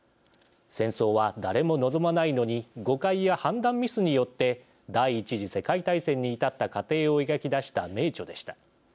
戦争は誰も望まないのに誤解や判断ミスによって第１次世界大戦に至った過程を描き出した名著でした。